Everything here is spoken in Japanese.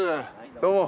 どうも。